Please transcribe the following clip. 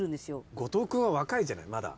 後藤君は若いじゃないまだ。